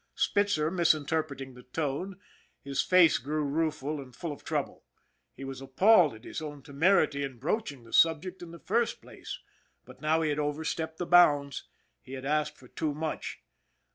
Spitzer, misinterpreting the tone, his face grew rue ful and full of trouble. He was appalled at his own temerity in broaching the subject in the first place, but now he had overstepped the bounds he had asked for too much